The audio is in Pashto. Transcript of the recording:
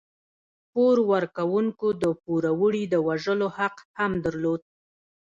پور ورکوونکو د پوروړي د وژلو حق هم درلود.